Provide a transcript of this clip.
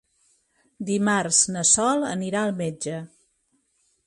Dimarts na Sol anirà al metge.